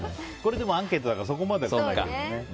アンケートだからそこまでは分からないけどね。